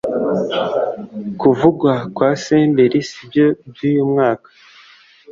Kuvugwa kwa Senderi byo si iby’uyu mwaka